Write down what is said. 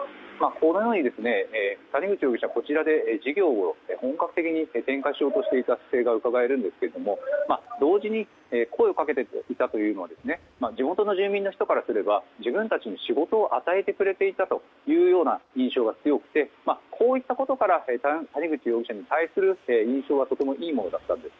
このように谷口容疑者はこちらで事業を本格的に展開しようとしていたとうかがえるのですが同時に声をかけていたというのは地元の住民からすれば自分たちに仕事を与えてくれていたという印象が強く谷口容疑者の印象はとてもいいものだったんです。